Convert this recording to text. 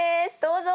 どうぞ。